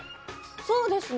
そうですね